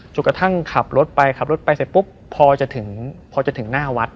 กระทั่งขับรถไปขับรถไปเสร็จปุ๊บพอจะถึงพอจะถึงหน้าวัด